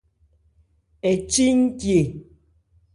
Ɛ chi ncye.